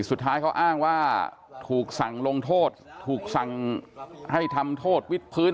สุดท้ายเขาอ้างว่าถูกสั่งลงโทษถูกสั่งให้ทำโทษวิทพื้น